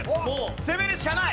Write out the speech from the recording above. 攻めるしかない！